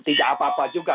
tidak apa apa juga